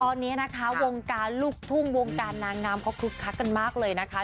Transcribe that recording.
ตอนนี้นะคะวงการลูกทุ่งวงการนางงามเขาคึกคักกันมากเลยนะคะ